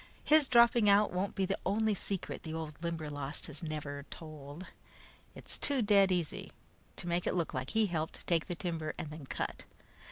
His dropping out won't be the only secret the old Limberlost has never told. It's too dead easy to make it look like he helped take the timber and then cut.